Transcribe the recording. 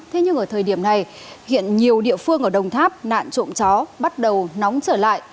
thế nhưng ở thời điểm này hiện nhiều địa phương ở đồng tháp nạn trộm chó bắt đầu nóng trở lại